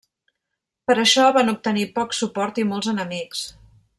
Per això, van obtenir poc suport i molts enemics.